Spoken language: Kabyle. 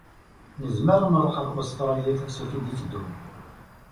Nezmer ad nṛuḥ ar Ustṛaliya tafsut i d-iteddun.